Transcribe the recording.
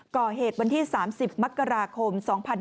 ก่อเหตุวันที่๓๐มกราคม๒๕๕๙